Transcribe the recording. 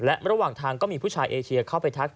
และระหว่างทางก็มีผู้ชายเอเชียเข้าไปทัก